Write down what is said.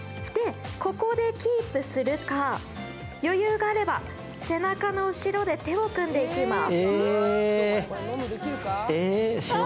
ここでキープするか、余裕があれば背中の後ろで手を組んでいきます。